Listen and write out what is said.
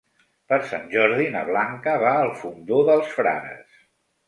Per Sant Jordi na Blanca va al Fondó dels Frares.